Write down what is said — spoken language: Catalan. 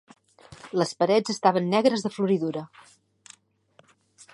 Les parets estaven negres de floridura.